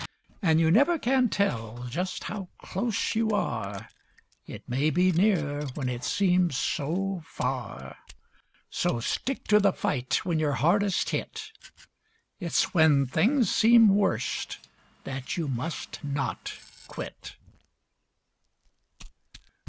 And you never can tell how close you are, It may be near when it seems afar; So stick to the fight when you're hardest hit— It's when things seem worst that you mustn't quit.